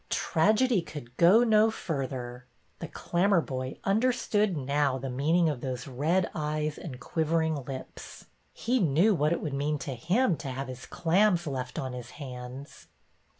Tragedy could go no further. The Clammer boy understood now the meaning of those red BETTY IN A PICKLE*' 83 eyes and quivering lips. He knew what it would mean to him to have his clams left on his hands.